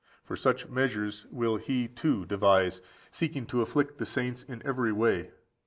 For such measures will he, too, devise, seeking to afflict the saints in every way.